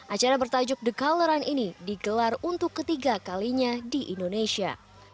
acara bertajuk the color run ini digelar untuk ketiga kalinya di indonesia